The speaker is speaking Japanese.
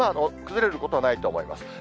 崩れることはないと思います。